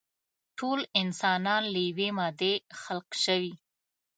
ټول انسانان له يوې مادې خلق شوي.